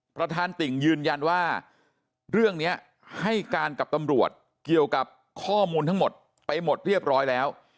ประธานติ่งยืนยันว่าเรื่องนี้ให้การกับตำรวจเกี่ยวกับข้อมูลทั้งหมดไปหมดเรียบร้อยแล้ว